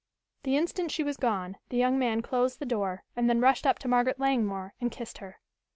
The instant she was gone, the young man closed the door and then rushed up to Margaret Langmore and kissed her.